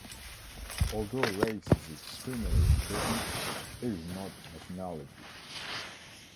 Although race is extremely important, it is not nationality.